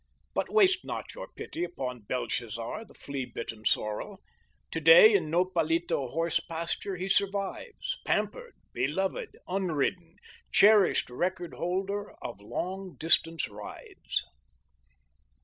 But waste not your pity upon Belshazzar, the flea bitten sorrel. To day, in Nopalito horse pasture he survives, pampered, beloved, unridden, cherished record holder of long distance rides.